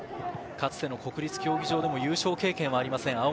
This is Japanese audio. かつての国立競技場での優勝経験はありません。